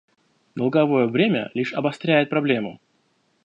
Долговое бремя лишь обостряет проблему.